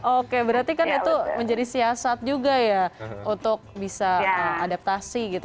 oke berarti kan itu menjadi siasat juga ya untuk bisa adaptasi gitu